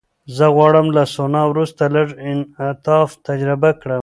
زه غواړم له سونا وروسته لږ انعطاف تجربه کړم.